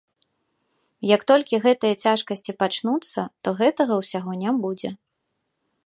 Як толькі гэтыя цяжкасці пачнуцца, то гэтага ўсяго не будзе.